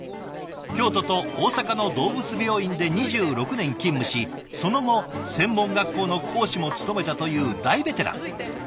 京都と大阪の動物病院で２６年勤務しその後専門学校の講師も務めたという大ベテラン。